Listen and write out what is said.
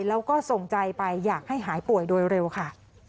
แล้วก็ส่งใจไปอยากให้หายป่วยโดยเร็วค่ะ